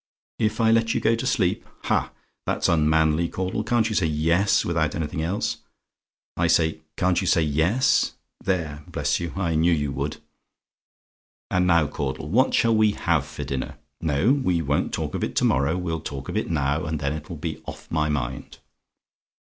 "IF I LET YOU GO TO SLEEP? "Ha! that's unmanly, Caudle. Can't you say 'Yes,' without anything else? I say can't you say 'Yes'? There, bless you! I knew you would. "And now, Caudle, what shall we have for dinner? No we won't talk of it to morrow; we'll talk of it now, and then it will be off my mind.